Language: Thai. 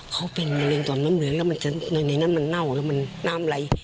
เขาเป็นมะเร็งต่อมน้ำเหลืองแล้วในนั้นมันเน่าแล้วมันน้ำไหล